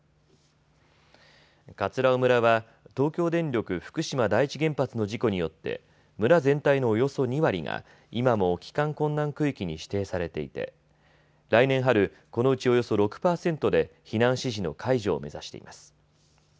葛尾村は東京電力福島第一原発の事故によって村全体のおよそ２割が今も帰還困難区域に指定されていて、来年春、このうちおよそ６％で避難指示の解除を目指しています。